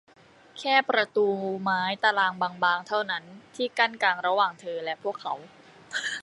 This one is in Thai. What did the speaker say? แค่ประตูไม้ตารางบาง ๆ เท่านั้น ที่กั้นกลางระหว่างเธอและพวกเขา